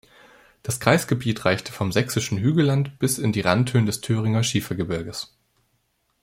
Das Kreisgebiet reichte vom Sächsischen Hügelland bis in die Randhöhen des Thüringer Schiefergebirges.